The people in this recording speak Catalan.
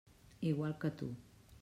Igual que tu.